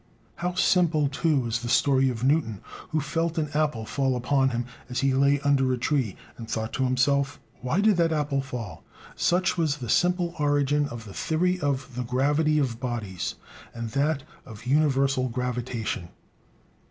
How simple, too, is the story of Newton, who felt an apple fall upon him as he lay under a tree, and thought to himself: "Why did that apple fall?" Such was the simple origin of the theory of the gravity of bodies, and that of universal gravitation.